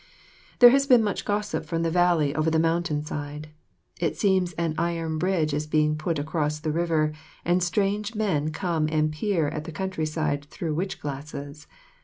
There has been much gossip from the valley over the mountain side. It seems an iron bridge is being put across the river, and strange men come and peer at the countryside through witch glasses.